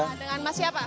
dengan mas siapa